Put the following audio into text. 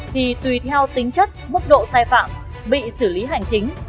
thì tùy theo tính chất mức độ sai phạm bị xử lý hành chính